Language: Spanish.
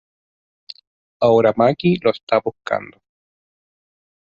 Ahora Maki lo está buscando.